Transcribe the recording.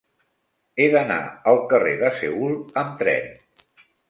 He d'anar al carrer de Seül amb tren.